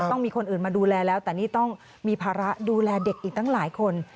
ต้องมีคนอื่นมาดูแลแล้วแต่นี่ต้องมีภาระดูแลเด็กอีกตั้งหลายคน